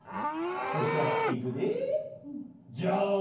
ほしたらいくで。じゃん！